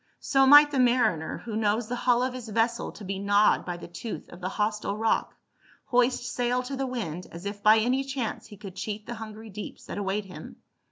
" So might the mariner, who knows the hull of his vessel to be gnawed by the tooth of the hostile rock, hoist sail to the wind, as if by any chance he could cheat the hungry deeps that await him.